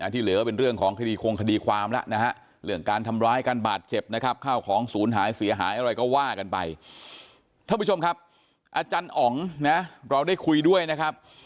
ท่านผู้ชมครับอาจารย์อ๋องนะเราได้คุยด้วยนะครับ